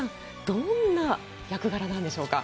どんな役柄なんでしょうか？